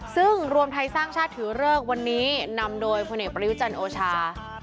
ซึ่งรวมไทยสร้างชาติถือเลิกวันนี้นำโดยพลเอกประยุจันทร์โอชา